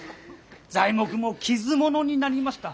材木も傷物になりました。